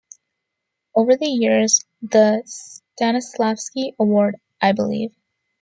Over the years the Stanislavsky Award-I Believe.